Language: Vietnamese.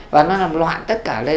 và nó làm loạn tất cả lên